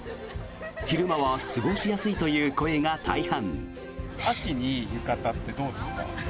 昼間は過ごしやすいという声が大半。